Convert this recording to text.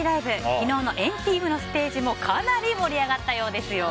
昨日の＆ＴＥＡＭのステージもかなり盛り上がったようですよ。